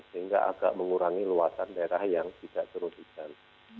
sehingga agak mengurangi luasan daerah yang tidak turun hujan